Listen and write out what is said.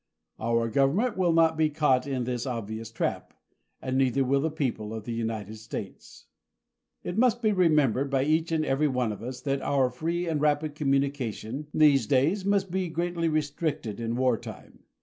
Our government will not be caught in this obvious trap and neither will the people of the United States. It must be remembered by each and every one of us that our free and rapid communication these days must be greatly restricted in wartime.